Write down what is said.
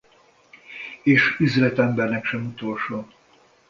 És üzletembernek sem utolsó!